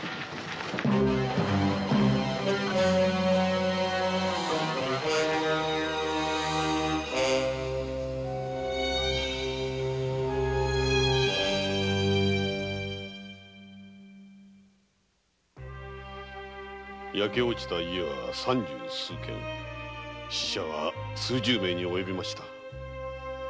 ・全焼した家は三十数軒死者は数十名に及びました。